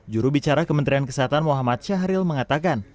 juru bicara kementerian kesehatan muhammad syahril mengatakan